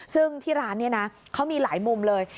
ซึ่งที่ร้านนี้นะเขามีหลายมุมเลย